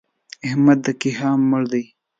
احمد د کيها مړ دی!